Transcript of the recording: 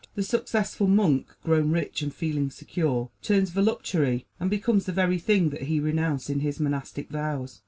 The successful monk, grown rich and feeling secure, turns voluptuary and becomes the very thing that he renounced in his monastic vows.